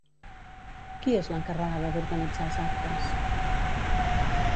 Qui és l'encarregada d'organitzar els actes?